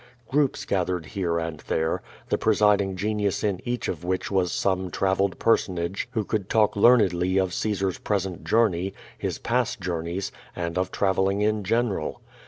Groups gathered here and there, the presiding genius in each of which was some travelled personage who QUO VAPrfi. 273 eoiikl talk learnedly of Caesar's present journey, his past j»)iir neys, and of travelling in general.